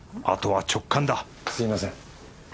あとは直感だ！すみません。